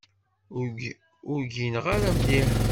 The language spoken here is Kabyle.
Ur gineɣ ara mliḥ.